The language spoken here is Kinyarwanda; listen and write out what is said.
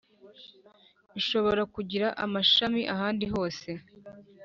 Ishobora kugira amashami ahandi hose